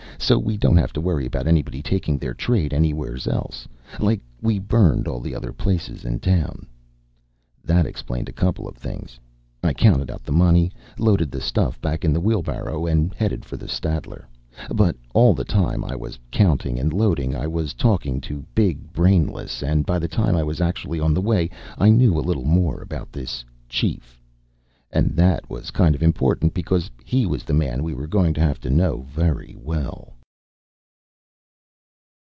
So we don't have to worry about anybody taking their trade elsewhere, like we burned all the other places down." That explained a couple of things. I counted out the money, loaded the stuff back in the wheelbarrow and headed for the Statler; but all the time I was counting and loading, I was talking to Big Brainless; and by the time I was actually on the way, I knew a little more about this "chief." And that was kind of important, because he was the man we were going to have to know very well.